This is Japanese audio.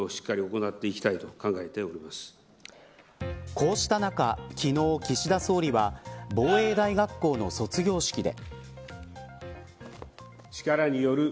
こうした中、昨日岸田総理は防衛大学校の卒業式で。